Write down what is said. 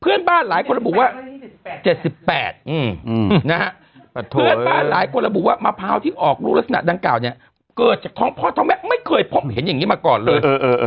เพื่อนบ้านหลายคนระบุว่า๗๘นะฮะเพื่อนบ้านหลายคนระบุว่ามะพร้าวที่ออกลูกลักษณะดังกล่าวเนี่ยเกิดจากท้องพ่อท้องแม่ไม่เคยพบเห็นอย่างนี้มาก่อนเลย